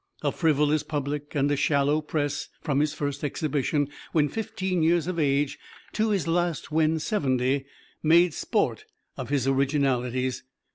A frivolous public and a shallow press, from his first exhibition, when fifteen years of age, to his last, when seventy, made sport of his originalities.